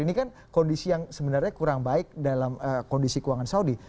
ini kan kondisi yang sebenarnya kurang baik dalam kondisi keuangan saudi